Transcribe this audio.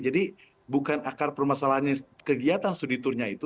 jadi bukan akar permasalahannya kegiatan studi turnya itu